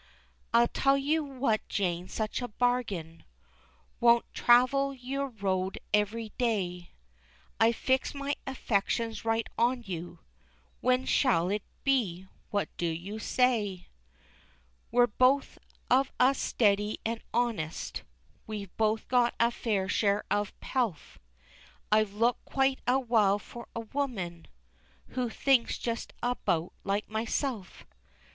I tell you what, Jane, such a bargain Won't travel your road every day, I've fixed my affections right on you, When shall it be? What do you say? We're both of us steady an' honest, We've both got a fair share of pelf, I've looked quite a while for a woman Who thinks just about like myself."